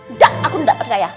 nggak aku enggak percaya